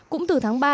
cũng từ tháng ba